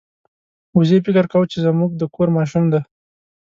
وزې فکر کاوه چې زموږ د کور ماشوم دی.